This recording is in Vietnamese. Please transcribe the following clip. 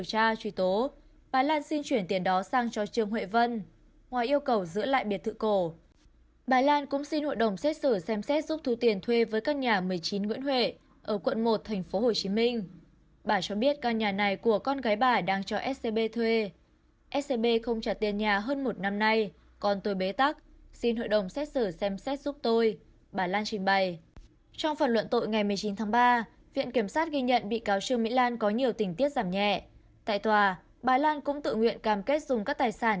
tại tòa bà lan cũng tự nguyện cam kết dùng các tài sản để khắc phục thiệt hại trong vụ án